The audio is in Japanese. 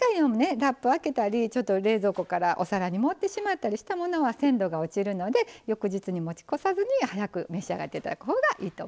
ラップ開けたりちょっと冷蔵庫からお皿に盛ってしまったりしたものは鮮度が落ちるので翌日に持ち越さずに早く召し上がって頂くほうがいいと思います。